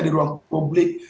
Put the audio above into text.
di ruang publik